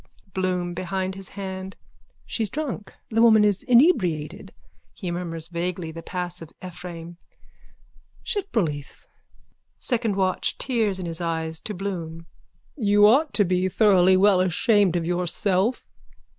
BLOOM: (Behind his hand.) She's drunk. The woman is inebriated. (He murmurs vaguely the pass of Ephraim.) Shitbroleeth. SECOND WATCH: (Tears in his eyes, to Bloom.) You ought to be thoroughly well ashamed of yourself.